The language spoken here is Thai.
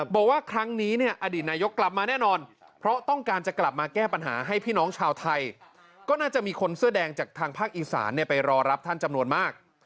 บอกว่าครั้งนี้เนี่ยอดีตนายกกลับมาแน่นอนเพราะต้องการจะกลับมาแก้ปัญหาให้พี่น้องชาวไทยก็น่าจะมีคนเสื้อแดงจากทางภาคอีสานไปรอรับท่านจำนวนมาก